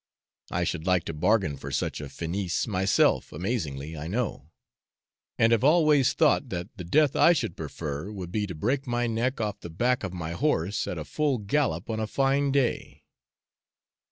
I should like to bargain for such a finis myself, amazingly, I know; and have always thought that the death I should prefer would be to break my neck off the back of my horse at a full gallop on a fine day.